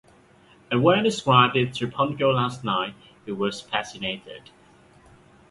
And when I described it to Pongo last night, he was fascinated.